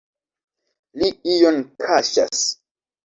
Li ion kaŝas!